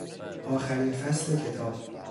آخرین فصل کتاب